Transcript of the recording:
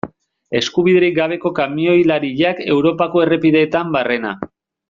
Eskubiderik gabeko kamioilariak Europako errepideetan barrena.